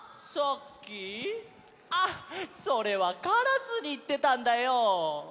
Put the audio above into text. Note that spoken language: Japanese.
あっそれはカラスにいってたんだよ。